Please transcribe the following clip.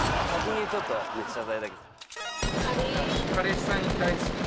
彼氏さんに対して。